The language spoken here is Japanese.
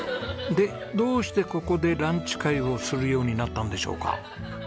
でどうしてここでランチ会をするようになったんでしょうか？